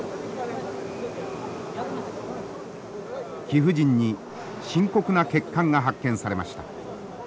貴婦人に深刻な欠陥が発見されました。